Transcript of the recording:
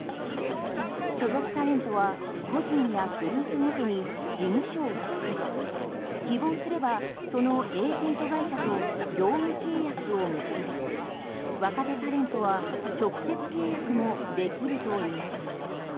所属タレントは個人やグループごとに事務所を作り、希望すればそのエージェント会社と業務契約を結び若手タレントは直接契約もできるといいます。